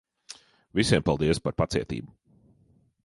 Visiem, paldies par pacietību.